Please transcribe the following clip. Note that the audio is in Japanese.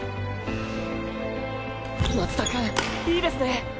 松田君いいですね。